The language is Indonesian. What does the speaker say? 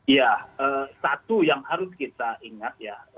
ya satu yang harus kita ingat ya